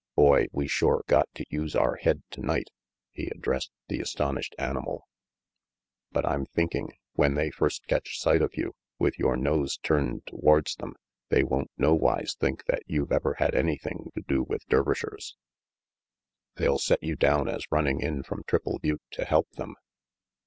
"Boy, we shore got to use our head tonight," he addressed the astonished animal, "but I'm thinking, when they first catch sight of you, with your nose turned towards them, they won't nowise think that you've ever had anything to do with Dervishers. 148 RANGY PETE They'll set you down as running in from Triple Butte to help them.